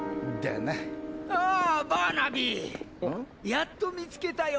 やっと見つけたよ